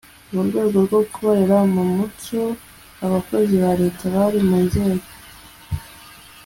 mu rwego rwo gukorera mu mucyo, abakozi ba leta bari mu nzego